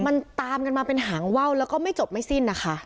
มันตามกันมาเป็นหางว่าวแล้วก็ไม่จบไม่สิ้นนะคะ